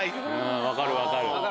分かる分かる。